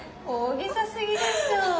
大げさすぎでしょ。